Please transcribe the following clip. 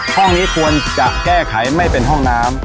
ห้องนี้ควรจะแก้ไขไม่เป็นห้องน้ำ